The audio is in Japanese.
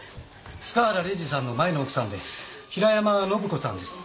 塚原礼司さんの前の奥さんで平山信子さんです。